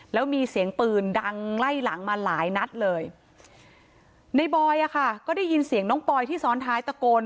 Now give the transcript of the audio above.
แล้วมีเสียงปืนดังไล่หลังมาหลายนัดเลยในบอยอ่ะค่ะก็ได้ยินเสียงน้องปอยที่ซ้อนท้ายตะโกน